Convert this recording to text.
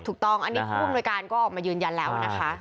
ถูกต้องอันนี้ผู้อำนวยการก็ออกมายืนยันแล้วนะคะ